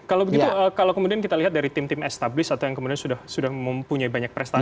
kalau begitu kalau kemudian kita lihat dari tim tim establis atau yang kemudian sudah mempunyai banyak prestasi